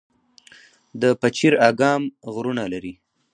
د پچیر اګام غرونه لري